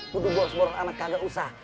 buat gua seorang anak kagak usah